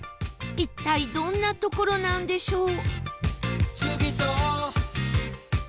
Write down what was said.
一体どんな所なんでしょう？